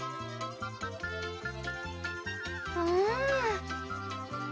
うん。